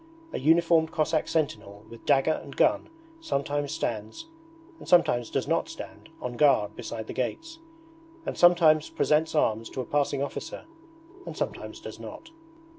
A uniformed Cossack sentinel with dagger and gun sometimes stands, and sometimes does not stand, on guard beside the gates, and sometimes presents arms to a passing officer and sometimes does not.